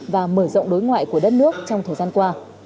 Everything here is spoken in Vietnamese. và mở rộng đối ngoại của đất nước trong thời gian qua